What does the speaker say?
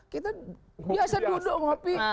kita biasa duduk ngopi